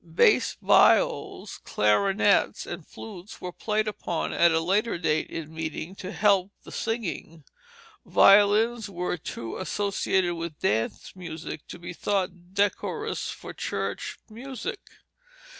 Bass viols, clarionets, and flutes were played upon at a later date in meeting to help the singing. Violins were too associated with dance music to be thought decorous for church music.